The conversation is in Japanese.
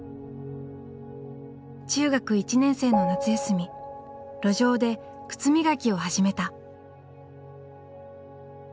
中学１年生の夏休み路上で靴磨きを始めた。